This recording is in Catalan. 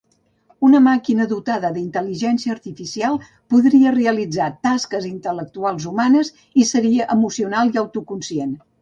Una màquina dotada d'intel·ligència artificial podria realitzar tasques intel·lectuals humanes i seria emocional i autoconscient.